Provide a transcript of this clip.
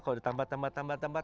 kalau ditambah tambah tambah